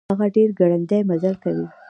هغه ډير ګړندی مزل کوي.